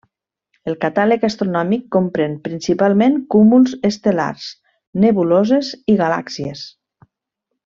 El catàleg astronòmic comprèn principalment cúmuls estel·lars, nebuloses, i galàxies.